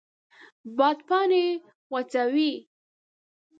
باد پاڼې خوځوي